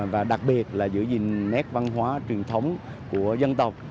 và đặc biệt là giữ gìn nét văn hóa truyền thống của dân tộc